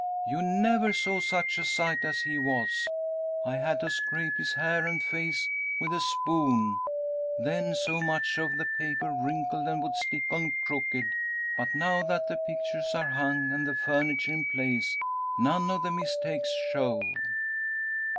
You never saw such a sight as he was. I had to scrape his hair and face with a spoon. Then so much of the paper wrinkled and would stick on crooked, but now that the pictures are hung and the furniture in place, none of the mistakes show.